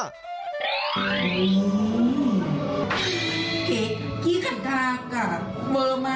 เค้กคี๊กคันคากก่ะมันมา